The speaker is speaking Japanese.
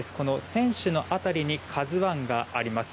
船主の辺りに「ＫＡＺＵ１」があります。